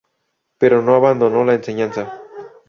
Pero no abandonó la enseñanza.